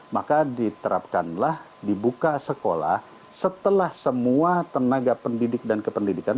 maka diterapkanlah dibuka sekolah setelah semua tenaga pendidik dan kependidikan